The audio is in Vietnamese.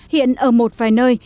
hiện ở một vài nơi